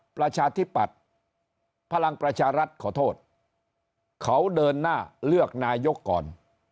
ประชาธิปัตย์พลังประชารัฐขอโทษเขาเดินหน้าเลือกนายกก่อน